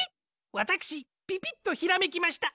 わたくしピピッとひらめきました！